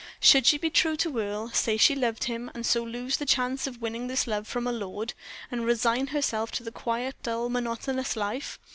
Should she be true to Earle, say she loved him, and so lose the chance of winning this love from a lord, and resign herself to her quiet, dull, monotonous life?